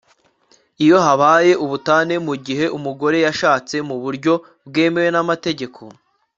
iyo habaye ubutane mu gihe umugore yashatse mu buryo bwemewe n'amategeko